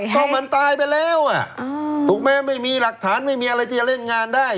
ก็มันตายไปแล้วถูกไหมไม่มีหลักฐานไม่มีอะไรที่จะเล่นงานได้